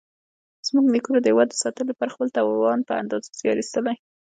زموږ نیکونو د هېواد ساتنې لپاره خپل توان په اندازه زیار ایستلی.